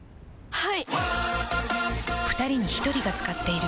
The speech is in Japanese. はい。